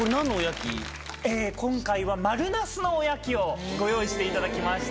今回は丸なすのおやきをご用意していただきました。